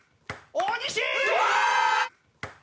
大西！